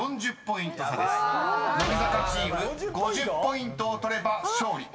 ［乃木坂チーム５０ポイントを取れば勝利］